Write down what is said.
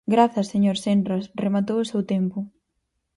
Grazas, señor Senras, rematou o seu tempo.